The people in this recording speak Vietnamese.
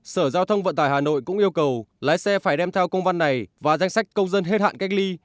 sở giao thông vận tải hà nội cũng yêu cầu lái xe phải đem theo công văn này và danh sách công dân hết hạn cách ly